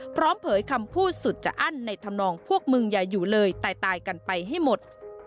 เผยคำพูดสุดจะอั้นในธรรมนองพวกมึงอย่าอยู่เลยตายกันไปให้หมด